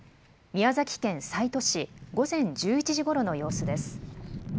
宮崎県西都市、午前１１時ごろの様子です。